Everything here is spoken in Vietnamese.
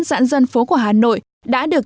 dãn dân phố của hà nội đã được